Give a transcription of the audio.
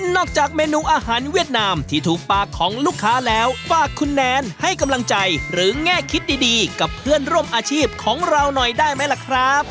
จากเมนูอาหารเวียดนามที่ถูกปากของลูกค้าแล้วฝากคุณแนนให้กำลังใจหรือแง่คิดดีกับเพื่อนร่วมอาชีพของเราหน่อยได้ไหมล่ะครับ